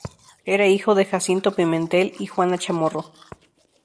Era hijo de Jacinto Pimentel y Juana Chamorro.